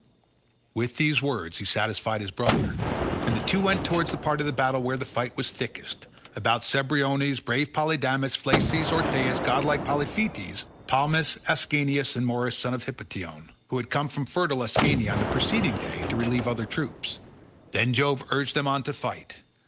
With these words he satisfied his brother, and the two went towards the part of the battle where the fight was thickest, about Cebriones, brave Polydamas, Phalces, Orthaeus, godlike Polyphetes, Palmys, Ascanius, and Morys son of Hippotion, who had come from fertile Ascania on the preceding day to relieve other troops. Then Jove urged them on to fight.